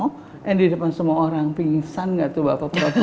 gak ada yang pengen pingsan gak tuh bapak